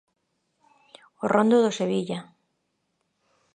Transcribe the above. O rondo do Sevilla.